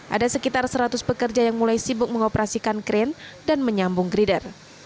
ada sekitar seratus pekerja yang mulai sibuk mengoperasikan kren dan menyambung grider